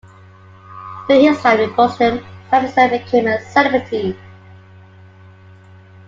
During his time in Boston, Sanderson became a celebrity.